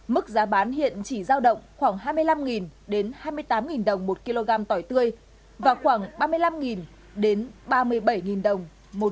mức giá bán hiện chỉ giao động khoảng hai mươi năm đến hai mươi tám đồng một kg tỏi tươi và khoảng ba mươi năm đến ba mươi bảy đồng